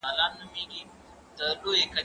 زه به سبا نان وخورم؟